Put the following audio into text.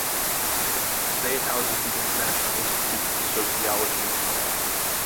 Today it houses the International Institute for the Sociology of Law.